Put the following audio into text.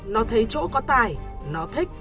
nó thấy chỗ có tài nó thích